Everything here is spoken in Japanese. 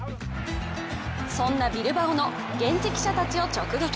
そんなビルバオの現地記者たちを直撃。